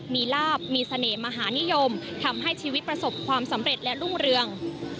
มีลาบมีเสน่ห์มหานิยมทำให้ชีวิตประสบความสำเร็จและรุ่งเรือง